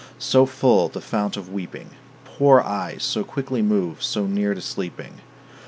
So full, the fount of weeping? Poor eyes, so quickly moved, so near to sleeping?